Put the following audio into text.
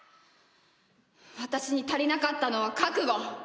私に足りなかったのは覚悟。